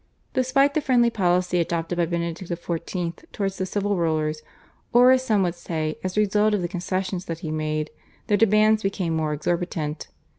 Despite the friendly policy adopted by Benedict XIV. towards the civil rulers, or, as some would say, as a result of the concessions that he made, their demands became still more exorbitant.